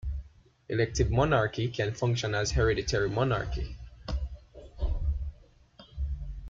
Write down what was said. Elective monarchy can function as hereditary monarchy.